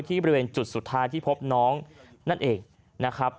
บริเวณจุดสุดท้ายที่พบน้องนั่นเองนะครับ